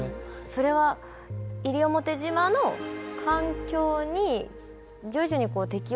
それは西表島の環境に徐々に適応していったって感じですか？